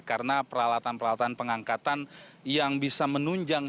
karena peralatan peralatan pengangkatan yang bisa menunjang